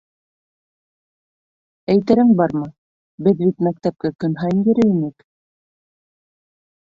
— Әйтерең бармы — беҙ бит мәктәпкә көн һайын йөрөй инек.